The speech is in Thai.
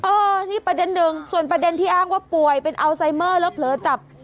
เออนี่ประเด็นหนึ่งส่วนประเด็นที่อ้างว่าป่วยเป็นอัลไซเมอร์แล้วเผลอจับ